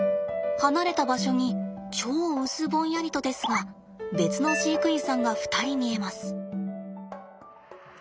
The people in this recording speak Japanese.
離れた場所に超うすぼんやりとですが別の飼育員さんが２人見えます。